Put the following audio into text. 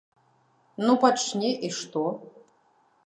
Ну пачне і што?!